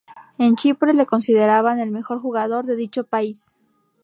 En Chipre le consideraban el mejor jugador de dicho país.